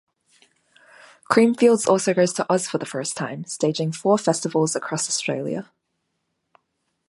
Creamfields also goes to Oz for the first time, staging four festivals across Australia.